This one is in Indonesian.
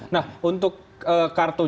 nah untuk kartu